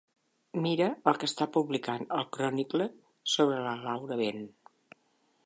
Mira el que està publicant el Chronicle sobre la Laura Ben.